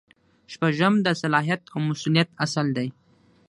شپږم د صلاحیت او مسؤلیت اصل دی.